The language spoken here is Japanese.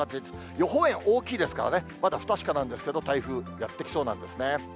予報円大きいですからね、まだ不確かなんですけれど、台風やって来そうなんですね。